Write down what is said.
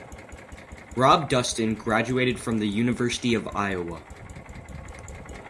Rob Dustin graduated from the University of Iowa.